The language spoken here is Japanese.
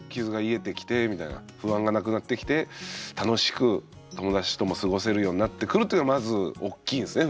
不安がなくなってきて楽しく友達とも過ごせるようになってくるというのまず大きいんすね